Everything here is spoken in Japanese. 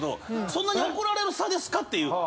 そんなに怒られる差？っていう。